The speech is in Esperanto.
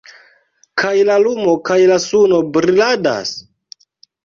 Kaj la lumo kaj la suno briladas?